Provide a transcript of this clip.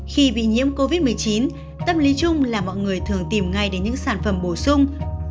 khi bị nhiễm covid một mươi chín tâm lý chung là mọi người thường tìm ngay đến những sản phẩm bổ sung